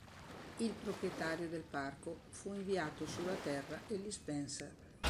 Il proprietario del parco fu inviato sulla Terra e li spense.